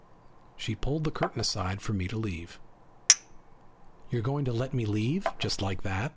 She pulled the curtain aside for me to leave. "You're going to let me leave? Just like that?"